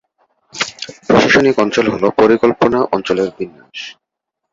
প্রশাসনিক অঞ্চল হলো পরিকল্পনা অঞ্চলের বিন্যাস।